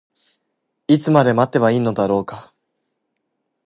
いつまで待てばいいのだろうか。